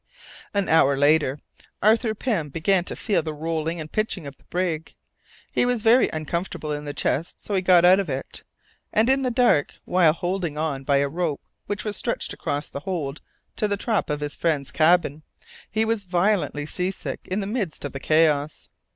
An hour later, Arthur Pym began to feel the rolling and pitching of the brig. He was very uncomfortable in the chest, so he got out of it, and in the dark, while holding on by a rope which was stretched across the hold to the trap of his friend's cabin, he was violently sea sick in the midst of the chaos.